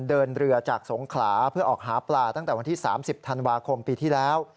เดินเรือจากสงขลาเพื่อออกหาปลาตั้งแต่วันที่๓๐ธันวาคมปีที่แล้ว